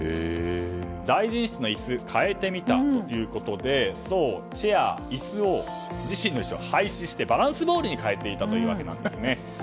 大臣室の椅子変えてみたということで自身の椅子を廃止してバランスボールに変えていたというわけなんです。